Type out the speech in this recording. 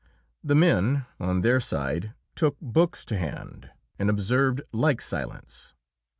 The men, on their side, took books to hand, and observed like silence.